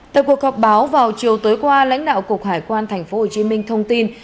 tại cuộc họp báo vào chiều tối qua lãnh đạo cục hải quan tp hcm thông tin